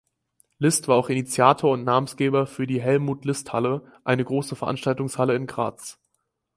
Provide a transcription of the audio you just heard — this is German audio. List war auch Initiator und Namensgeber für die Helmut-List-Halle, eine große Veranstaltungshalle in Graz.